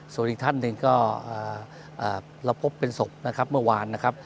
ส่วนอีกท่านหนึ่งก็เราพบเป็นศพนะครับเมื่อวานนะครับ